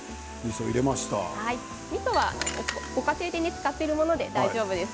みそはご家庭で使っているもので大丈夫です。